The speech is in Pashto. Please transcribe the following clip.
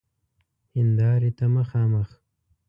هیندارې ته مخامخ